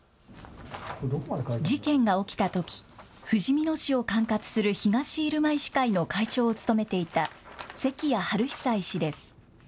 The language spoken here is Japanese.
事件が起きたときふじみ野市を管轄する東入間医師会の会長を務めていた関谷治久医師です。